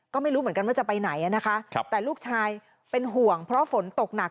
ก็ไม่รู้เหมือนกันว่าจะไปไหนนะคะแต่ลูกชายเป็นห่วงเพราะฝนตกหนัก